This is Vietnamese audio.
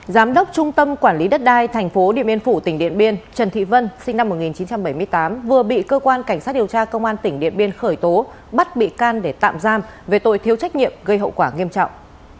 giám đốc trung tâm quản lý đất đai tp điện biên phủ tỉnh điện biên trần thị vân sinh năm một nghìn chín trăm bảy mươi tám vừa bị cơ quan cảnh sát điều tra công an tỉnh điện biên khởi tố bắt bị can để tạm giam về tội thiếu trách nhiệm gây hậu quả nghiêm trọng